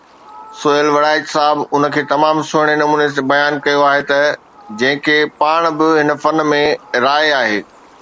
سهيل وڑائچ صاحب ان کي تمام سهڻي نموني بيان ڪيو آهي ته ”جنهن کي پاڻ به هن فن ۾ راڻي آهي.